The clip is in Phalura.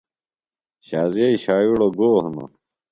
شازیئ ݜاوِیڑوۡ گو ہِنوۡ؟